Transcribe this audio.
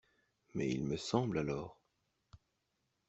Mais il me semble alors!